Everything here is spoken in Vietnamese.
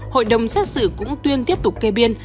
hội đồng xét xử cũng tuyên tiếp tục kê biên